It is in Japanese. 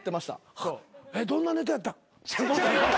えっどんなネタやったん？